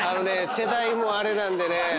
世代もあれなんでね。